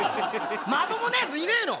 まともなヤツいねえの？